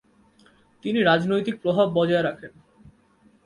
তিনি রাজনৈতিক প্রভাব বজায় রাখেন।